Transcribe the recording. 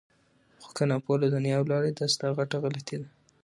خو که ناپوه له دنیا ولاړې دا ستا غټه غلطي ده!